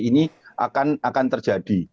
ini akan terjadi